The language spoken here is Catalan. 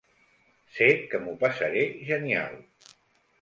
Sé que m'ho passaré genial.